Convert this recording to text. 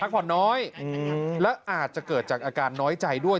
ผ่อนน้อยและอาจจะเกิดจากอาการน้อยใจด้วย